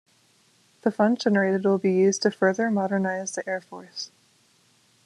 The funds generated will be used to further modernize the Air Force.